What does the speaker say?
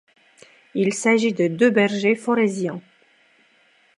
Il s’agit de deux bergers foréziens.